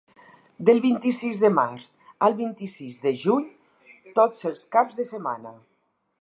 Del vint-i-sis de març al vint-i-sis de juny: tots els caps de setmana.